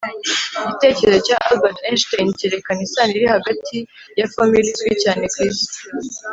Igitekerezo cya Albert Einstein cyerekana isano iri hagati ya formula izwi cyane kwisi